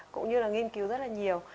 cũng như là nghiên cứu rất là nhiều